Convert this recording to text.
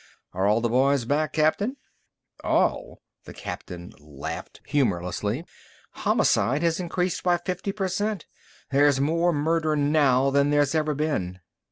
"Are all the boys back, Captain?" "All?" the captain laughed humorlessly. "Homicide has increased by fifty per cent. There's more murder now than there's ever been."